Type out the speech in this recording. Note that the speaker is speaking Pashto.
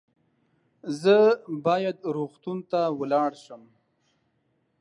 زه باید روغتون ته ولاړ شم